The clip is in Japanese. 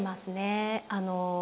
あの。